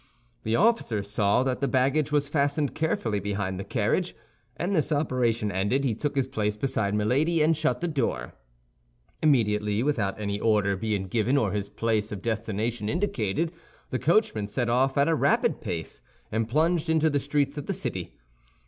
The officer saw that the baggage was fastened carefully behind the carriage; and this operation ended, he took his place beside Milady, and shut the door. Immediately, without any order being given or his place of destination indicated, the coachman set off at a rapid pace, and plunged into the streets of the city.